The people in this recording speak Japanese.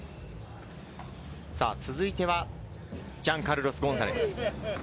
続いては、ジャンカルロス・ゴンザレス。